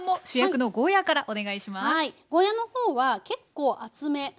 ゴーヤーのほうは結構厚め。